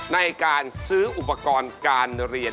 ในการซื้ออุปกรณ์การเรียน